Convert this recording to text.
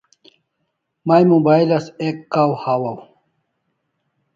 May mobile as ek kaw hawaw